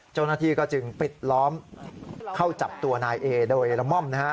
เจ้าหน้าที่ก็จึงปิดล้อมเข้าจับตัวนายเอโดยเอละม่อมนะฮะ